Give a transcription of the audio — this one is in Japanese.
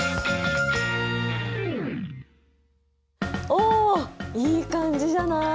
おいい感じじゃない？